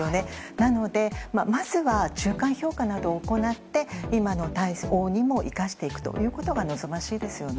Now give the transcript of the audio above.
なので、まずは中間評価などを行って今に生かしていくことが望ましいですね。